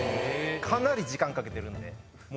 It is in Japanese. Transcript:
かなり時間かけてるんで。